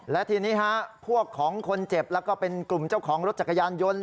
และทีนี้ฮะพวกของคนเจ็บแล้วก็เป็นกลุ่มเจ้าของรถจักรยานยนต์